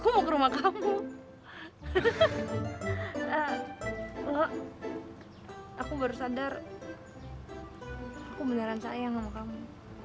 lho aku baru sadar aku beneran sayang sama kamu